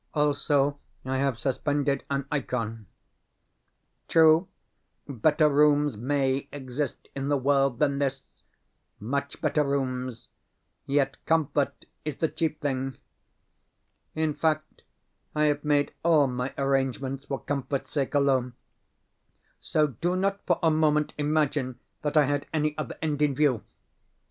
Also, I have suspended an ikon. True, better rooms MAY exist in the world than this much better rooms; yet COMFORT is the chief thing. In fact, I have made all my arrangements for comfort's sake alone; so do not for a moment imagine that I had any other end in view.